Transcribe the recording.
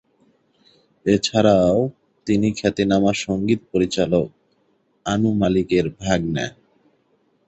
এছাড়াও তিনি খ্যাতনামা সঙ্গীত পরিচালক অনু মালিক এর ভাগ্নে।